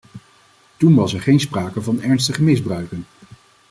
Toen was er geen sprake van ernstige misbruiken.